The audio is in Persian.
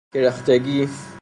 کرختگی